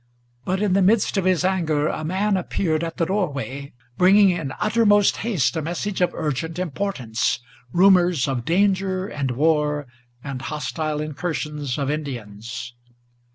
But in the midst of his anger a man appeared at the doorway, Bringing in uttermost haste a message of urgent importance, Rumors of danger and war and hostile incursions of Indians!